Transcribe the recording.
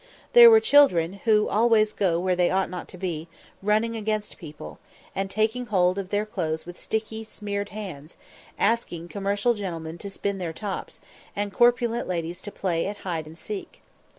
There were children, who always will go where they ought not to go, running against people, and taking hold of their clothes with sticky, smeared hands, asking commercial gentlemen to spin their tops, and corpulent ladies to play at hide and seek.